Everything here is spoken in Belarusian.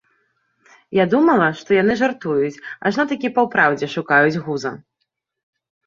Я думала, што яны жартуюць, ажно такі папраўдзе шукаюць гуза.